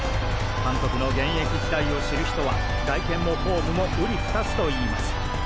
監督の現役時代を知る人は外見もフォームも瓜二つと言います。